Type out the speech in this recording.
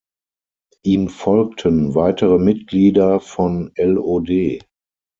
Ihm folgten weitere Mitglieder von LoD.